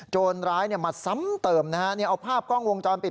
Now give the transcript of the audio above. ร้ายมาซ้ำเติมนะฮะเอาภาพกล้องวงจรปิด